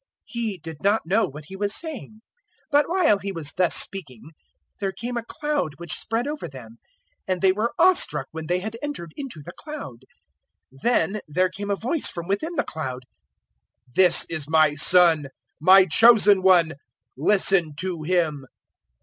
He did not know what he was saying. 009:034 But while he was thus speaking, there came a cloud which spread over them; and they were awe struck when they had entered into the cloud. 009:035 Then there came a voice from within the cloud: "This is My Son, My Chosen One: listen to Him."